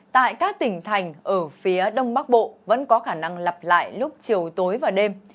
tại các tỉnh thành ở phía đông bắc bộ vẫn có khả năng lặp lại lúc chiều tối và đêm